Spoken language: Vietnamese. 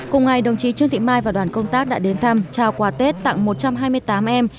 cùng ngày đồng chí trương thị mai và đoàn công tác đã đến thăm trao quà tết tặng một trăm hai mươi tám em